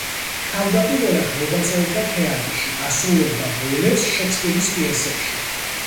თავდაპირველად მოღვაწეობდა თეატრში, ასრულებდა როლებს შექსპირის პიესებში.